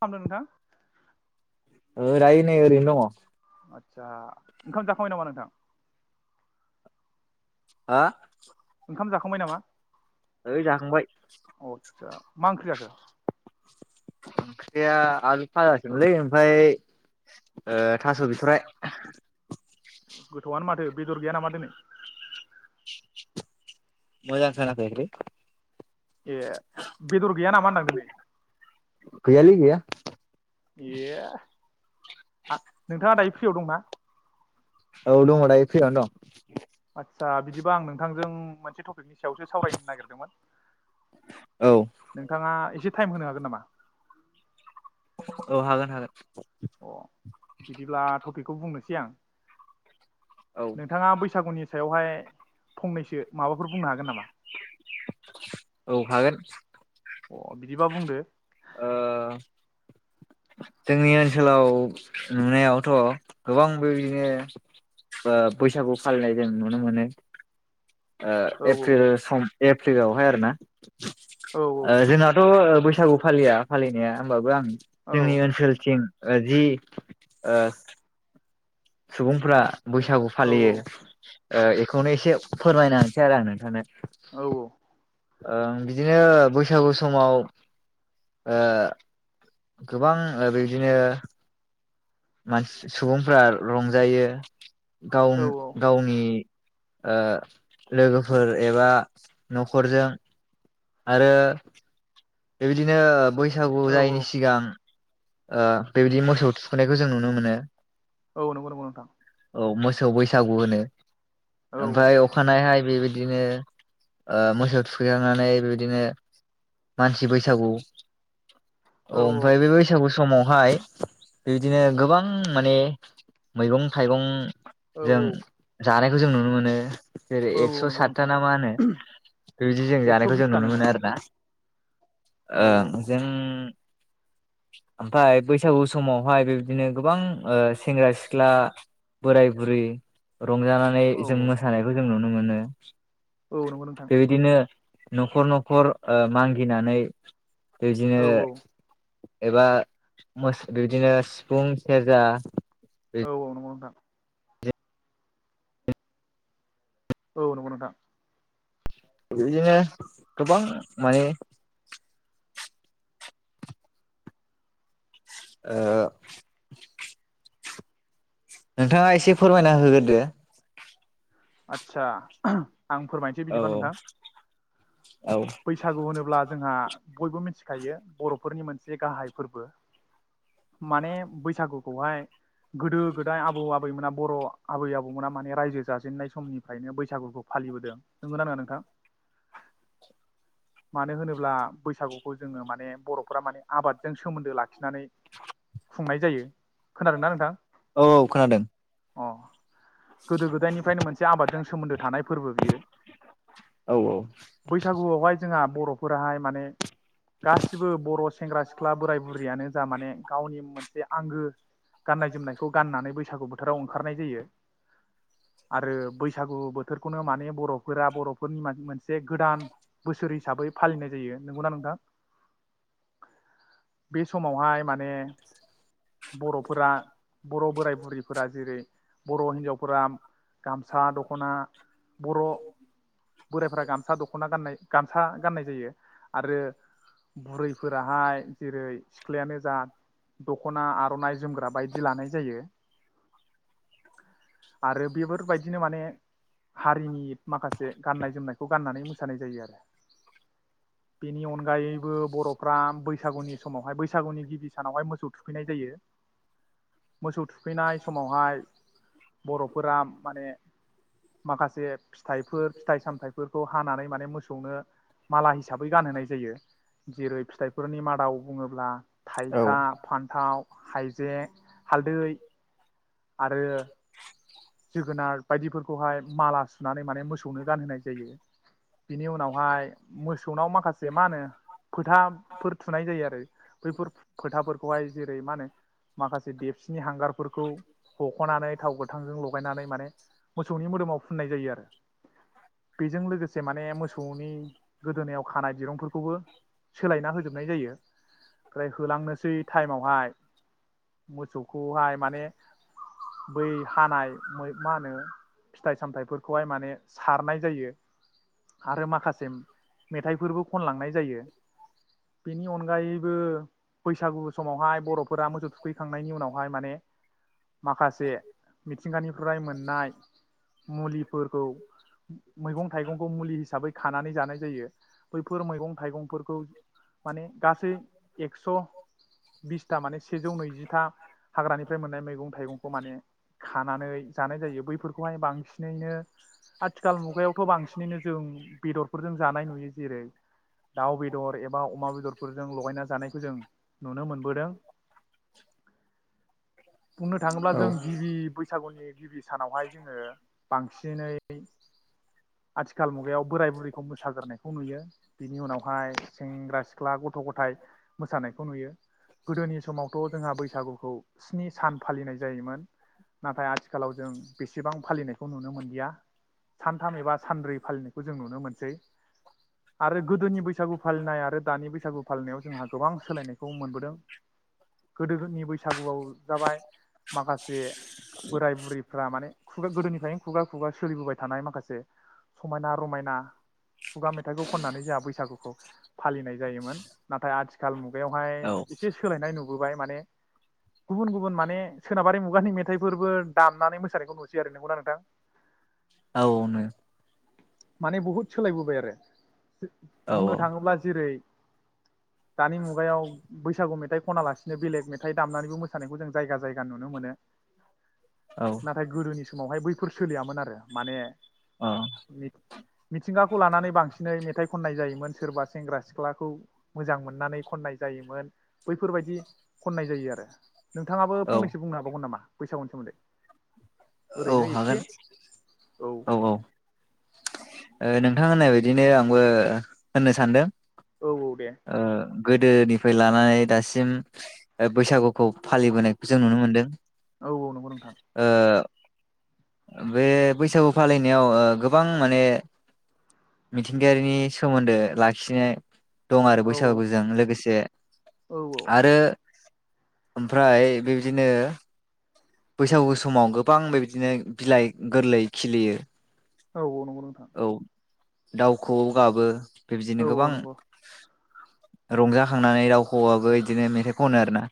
मा खालामदों राय नै ओरैनो दङ। आतसा ओंखाम जाखाबाय नामा नोंथां? हा? ओंखाम जाखांबाय नामा? ओय जाखांबाय। आसा मा ओंख्रि जाखो? ओंख्रिया आलु फाजामोनलै ओमफ्राय थास' ओ बिथरा गोथौआनो माथो बेदर गैया नामा दिनै? मोजां सानाखै [inaudible] ए बेदर गैया नामा होनदां दिनै गैयालै गैया ए नोंथाङा दायो फ्रियाव दंना औ दं दायो फराइनो दङ आसा बिदिबा आं नोंथांजों मोनसे नि सो सावरायनो नागिरदोंमोन दं औ नोंथाङा टाइम होनो हागोन नामा औ हागोन हागोन अ बिदिब्ला टपिकखौ बुंनोसै आं औ नोंथाङा बैसागुनि सायावहाय फंनैसो माबाफोर बुंनो हागोन नामा औ हागोन अ बिदिबा बुंदो। ओ जोंनि ओनसोलाव नुनायावथ' गोबां बेबायदिनो बैसागु फालिनाय जों नुनो मोनो। औ एप्रिल सान एप्रिलावहाय आरो ना? औ जोंनाथ' बै बैसागु फालिया फालिनाया होमबाबो आं औ जोंनि ओनसोलसथिं जि आ सुबुंफ्रा बैसागु औ फालियो बेखौनो एसे फोरमायना होनोसै आरो आं नोंथांनो औ औ। ओ बिदिनो बैसागु समाव गोबां बिदिनो मानसि सुबुंफ्रा रंजायो। गाव औ औ गावनि लोगोफोर एबा न'खरजों आरो बेबायदिनो ब बैसागु औ औ जायैनि सिगां बेबायदि मोसौ थुखैनायखौ जों नुनो मोनो। औ नंगौ नंगौ नोंथां। औ मोसौ बैसागु होनो। औ ओमफ्राय अखानायहाय बेबायदिनो मोसौ थुखैखांनानै बेबायदिनो मानसि बैसागु औ औव ओमफाय बै समावहाय बेदिनो गोबां माने मैगं थाइगं जों औ जानाय बेखौ जों नुनो मोनो जेरै औ औ एकस' नंगौ सातथा नोंथां ना मा होनो बेबायदि जों एकस' जानायखौ जों बिसथा नुनो मोनो नोंथां आरोना आ औ ओमफफ्राय बैसागु समावहाय बेबदिनो गोबां सेंग्रा सिख्ला बोराय बुरै। रंजानानै औ जों मोसानायखौ जों नुनो माने औ नंगौ नोंथां। न'खर न'खर मागिनानै बेदिनो औ एबा मोस बिदिनो सिफुं सेरजा औ औ नंगौ नोंथां। औ नंगौ नोंथां। बेदिनो गोबां मानि ओ नोंथाङा एसे फोरमायना होगोरदो आतसा आं फोरमायनोसै औ बिदिबा नोंथां। औ बैसागु होनोब्ला जोंहा बयबो मिथि खायो बर'फोरनि मोनसे गाहाय फोरबो माने बैसागुखौहाय गोदो गोदाय आबौ आबैमोना बर' आबै आबौमोना माने रायजो जाजेननाय समनिफ्रायनो बैसागुखौ फालिबोदों। नंगौ ना नङा नोंथां? मानो होनोब्ला बैसागुखौ जोङो माने बर'फोरा माने आबादजों सोमोन्दो लाखिनानै खुंनाय जायो। खोनादोंना नोंथां औ खोनादों। अ गोदो गोदायनिफ्रायनो मोनसे आबादजों सोमोन्दो थानाय फोरबो बियो। औ गुआवहाय जोंहा बर'फोराहाय माने गासिबो बर' सेंग्रा सिख्ला बोराय बुरियानो जा माने गावनि मोनसे बे आंगो गाननाय जोमनायखौ गाननानै बैसागु बोथोराव ओंखारनाय जायो आरो बैसागु बोथोर खौनो माने बर'फोरा बर'फोरनि मान मोनसे गोदान बोसोर हिसाबै फालिनाय जायो। नंगौ ना नोंथां? बे समावहाय माने बर'फोरा बर' बोराय बुरैफोरा। जेरै बर' हिनजावफोरा गामसा दख'ना बर' बोराइफ्रा गाम सा दख'ना गाननाय गामसा गाननाय जायो आरो बुरैफोराहाय जेरै सिख्लायानो जा दख'ना आर'नाइ जोमग्रा बायदि लानाय जायो आरो बेफोरबायदिनो माने हारिनि माखासे गाननाय जोमनायखौ गाननानै मोसानाय जायो आरो। बेनि अनगायैबो बर'फ्रा बैसागुनि समावहाय बैसागुनि गिबि सानावहाय मोसौ थुखैनाय जायो। मोसौ थु खैनाय समावहाय बर' फोराम माने माखासे फिथाइफोर फिथाइ सामथाइ फोरखौ हानानै माने मोसौनो माला हिसाबै गानहोनाय जायो। जेरै फिथाइफोरनि मादाव बुङोब्ला औ थाइखा, फान्थाव हाइजें हालदै आरो जोगोनार बायदिफोरखौहाय माला सुनानै माने मोसौनो गानहोनाय जायो। बिनि उनावहाय मोसौनाव माखासे मा होनो फोथाफोर थुनाय जायो आरो बैफोर फोथाफोरखौहाय जेरै मा होनो माखासे देबसिनि हांगारफोरखौ हख'नानै थाव गोथांजों ल गायनानै माने मोसौनि मोदोमाव फोननाय जायो आरो बेजों लोगोसे माने मोसौनि गोदोनायाव खानाय दिरुंफोरखौबो सोलायना होजोबनाय जायो। फ्राय होलांनोसै थाइमावहाय मोसौखौहाय माने बै हानाय मा होनो फिथाइ सामथाइफोरखौहाय माने सारनाय जायो आरो माखासे मेथाइफोरबो खनलांनाय जायो बेनि अनगायैबो बैसागु समावहाय बर' फोरा मोसौ थुखैखांनायनि उनावहाय माने माखासे मिथिंगानिफ्राय मोननाय मुलिफोरखौ मैगं थाइगंखौ मुलि हिसाबै खानानै जानाय जायो बैफोर मैंगं थाइगं फोरखौ माने गासै एक्स बिस्ता सेजौ नैजिथाम हाग्रानिफ्राय मोननाय मैगं थाइगंखौ माने खानानै जानाय जायो बैफोरखौहाय बांसिनैनो आथिखाल मुगायावथ' बांसिनैनो जों बेदरफोरजों जानाय नुयो जेरै दाउ बेदर एबा अमा बेदरफोरजों लगायना जानायखौ जों नुनो मोनबोदों। बुंनो थाङोब्ला नो जों गिबि बैसागुनि गिबि सानावहाय जोङो बांसिनै आथिखाल मुगायाव बोराय बुरैखौ मोसाग्रोनायखौ नुयो। बिनि उनावहाय सेंग्रा सिख्ला गथ' गथाय मोसानायखौ नुयो गोदोनि समावथ' जोंहा बैसागुखौ स्नि सान फालिनाय जायोमोन। नाथाय आथिखालाव जों बेसेबां फालिनायखौ नुनो मोनलिया सानथाम एबा सानब्रै फालिनायखौ जों नुनो मोनसै आरो गोदोनि बैसागु फालिनाय आरो दानि बैसागु फालिनायाव जोंहा गोबां सोलायनायखौ मोनबोदों गोदोनि बैसागुआव जाबाय माखासे [unintelligible] बोराय बुरैफ्रा माने खुगा गोदोनिफ्रायनो खुगा खुगा सोलिबोबाय थानाय माखासे समायना रमायना खुगा मेथाइखौ खननानै जोंहा बैसागुखौ फालिनाय जायोमोन। नाथाय आथिखाल मुगायावहाय औ एसे सोलायनाय नुबो बाय माने गुबुन गुबु मने सोनाबारि मुगानि [unintelligible] दामनानै मोसानायखौ नुसै आरो नंगौना नोंथां औ नो [unintelligible] माने बहुद सोलायबोबाय आरो बुंनो थाङोब्ला जेरै दानि मुगायाव बैसागु मेथाइ खना लासिनो बेलेग मेथाइ दामनानैबो मोसानायखौ जों जायगा जायगा नुनो मोनो। औ नाथाय गोदोनि समावहाय बैफोर सोलियामोन आरो माने मिथिंगाखौ लानानै बांसिनै मेथाइ खननाय जायोमोन सोरबा सेंग्रा सिख्लाखौ मोजां मोननानै खननाय जायोमोन बैफोरबायदि खननाय जायो आरो नोंथाङाबो औ फनसो बुंनो हाबावमोन नामा। बैसागुनि सोमोन्दै औ ओरैनो एसे हागोन औ औ नोंथां होननाय बदिनो आंबो होननो सानदों औ औ दे ओ गोदोनिफ्राय लानानै दासिम बैसागु खौ फालिबोनायखौ जों नुनो मोनदों औ औ नंगौ नोंथां बे बैसागु फालिनायाव गो बां माने मिथिंगायारिनि सोमोन्दो लाखिनाय दं आरो औ बैसागुजों लोगोसे औ औ। आरो ओमफ्राय बेबायदिनो बैसागु समाव गोबां बेबायदिनो बिलाइ गोरलै खिलियो औ नंगौ नोंथां। दाउखोवौ गाबो। औ बेबायदिनो गोबां औ नंगौ रंजाखांनानै रावखोवौआबो बिदिनो मेथाइ खनो आरोना?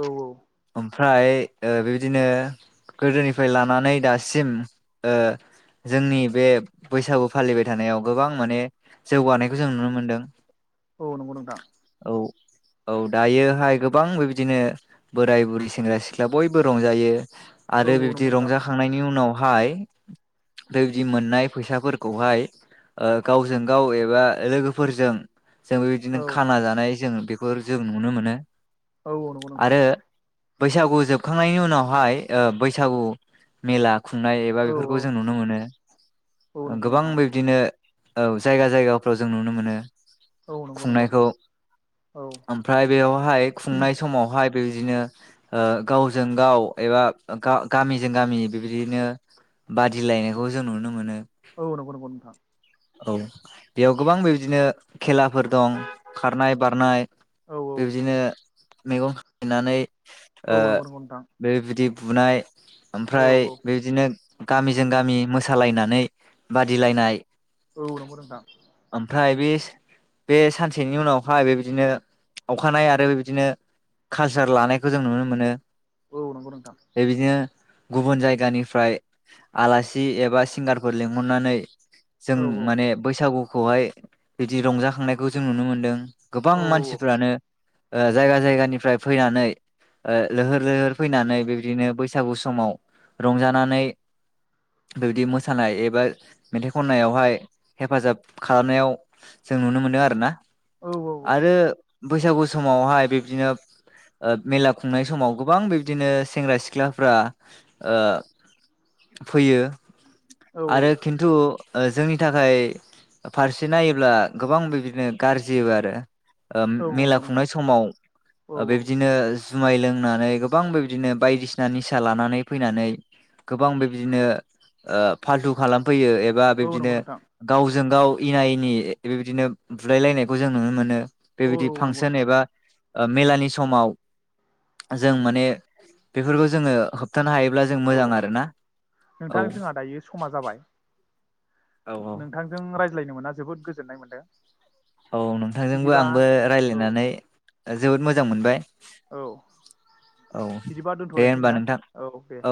औ औ। ओमफ्राय बेबाय बिदिनो गोदोनिफ्राय लानानै दासिम जोंनि बे बैसागु फालिबाय थानायाव गोबां माने जौगानायखौ जों नुनो मोनदों। औ नंगौ नोंथां। औ औ दायोहाय गोबां बिदिनो बोराय बुरि सेंग्रा सिख्ला बयबो रंजायो। औ आरो औ बिबदि नंगौ नोंथां रंजाखांनायनि उनाव हाय बेबायदि मोननाय फैसाफोरखौहाय गावजों गाव एबा लोगोफोरजों जों बेबायदिनो औ खाना जानाय जों बेफोरजों नुनो मोनो औ नगौ नोंथां आरो बैसागु जोब। खोबखांनायनि उनावहाय बैसागु मेला। खुंनाय एबा औ बेफोरखौ औ जों नुनो मोनो औ नंगौ गोबां नोंथां बिबदिनो औ जायगा जायगाफ्राव जों नुनो मोनो। औ नंगौ नंगौ खुंनायखौ औ ओमफ्राय बेयावहाय खुंनाय समावहाय। बेबिदिनो गावजों गाव एबा गामिजों गामि बेबदिनो बादिलायनायखौ जों नुनो मोनो। औ नंगौ नंगौ नोंथां। औ बेयाव गोबां बेबायदिनो खेला फोर दं खारनाय बारनाय औ औ बिबदिनो मैगं खायनानै औ ओ नंगौ नंगौ नोंथां बेबिदि बुनाय औ ओमफ्राय बेदिनो गामिजों गामि मोस सालायनानै बादिलायनाय औ नोंथां। ओमफ्राय बे बे सानसेनि उनावहाय बेबायदिनो अखानाय आरो बे बिदिनो कालसार लानायखौ जों नुनो माने औ नंगौ नोंथां। गुबुन जायगानिफ्राय आलासि एबा सिंगारफोर लिंहरनानै जों औ माने बैसागु खौहाय बिदि रंजाखांनायखौ जों नुनो मोन्दों। गोबां औ मानसिफ्रानो जायगा जायगानिफ्राय फैनानै लैहोर लैहोर फैनानै बेबायदिनो बैसागु समाव रंजानानै बेबायदि मोसानाय एबा मेथाइ खननायावहाय हेफाजाब खालामनायाव जों नुनो मोनदों आर ना? औ आरो बैसागु समावहाय बिदिनो मेला खुंनाय समाव गोबां बिब्दिनो सेंग्रा सिख्लाफ्रा फैयो। औ आरो खिन्थु ओ जोंनि थाखाय फारसे नायोब्ला गोबां बिदिनो गाज्रि आरो ओ औ औ मेला नंगौ नोंथां खुंनाय समाव औ ओ औ बेदिनो जुमाय लोंनानै गोबां बेब्दिनो बायदिसिना निसा लानानै फैनानै गोबां बेबदिनो ओ फाल्थु खालाम फैयो एबा औ बिदिनो नंगौ नोंथां गावजों गावजों गाव एना एनि बेबायदिनो बुलायलायनायखौ जों नुनो मोनो औ औ बेबायदि नंगौ फांसन नोंथां एबा ओ मेलानि समाव जों माने बेफोरखौ जोङो होबथानो हायो। औ नोंथां जोंहा दायो समा जाबाय औ औ नोंथांजों राय रायज्लायनो मोना जोबोद गोजोननाय मोन्दों। औ नोंथांजोंबो आंबो औ रायज्लायनानै जोबोद मोजां। मोजां मोनबाय। औ औ बिदिबा दे दोनथ'लायनोसै होनबा नोंथां औ दे।